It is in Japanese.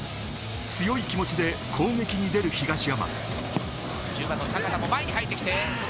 強い気持ちで攻撃に出る東山。